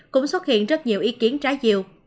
cũng xuất hiện rất nhiều ý kiến trái diều